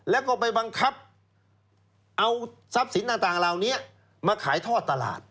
แล้วก็ไปบังคับเอาทรัพย์สินต่างเหล่านี้มาขายทอดตลาด